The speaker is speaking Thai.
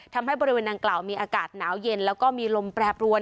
ทำให้บริเวณดังกล่าวมีอากาศหนาวเย็นแล้วก็มีลมแปรปรวน